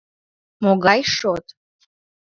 Могай шот?